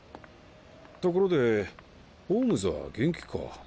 ところでホームズは元気か？